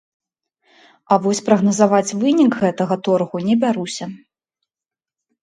А вось прагназаваць вынік гэтага торгу не бяруся.